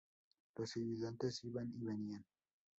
Los ayudantes iban y venían.